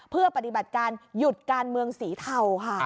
เพื่อปฏิบัติการหยุดการเมืองสีเทาค่ะ